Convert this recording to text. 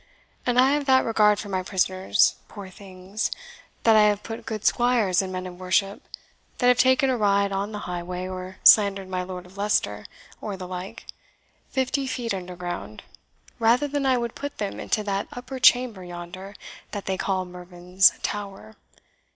And I have that regard for my prisoners, poor things, that I have put good squires and men of worship, that have taken a ride on the highway, or slandered my Lord of Leicester, or the like, fifty feet under ground, rather than I would put them into that upper chamber yonder that they call Mervyn's Bower.